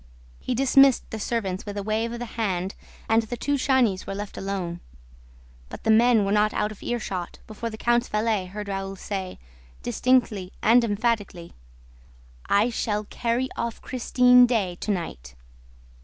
He dismissed the servants with a wave of the hand and the two Chagnys were left alone. But the men were not out of earshot before the count's valet heard Raoul say, distinctly and emphatically: "I shall carry off Christine Daae to night."